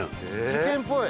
事件っぽい。